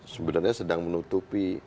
sebenarnya sedang menutupi